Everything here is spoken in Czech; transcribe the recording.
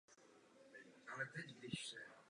Letecké spojení je zajištěno z Nového Zélandu.